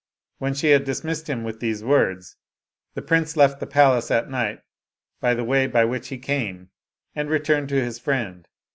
When she had dismissed him with these words, the prince left the palace at night by the way by which he came, and returned to his friend.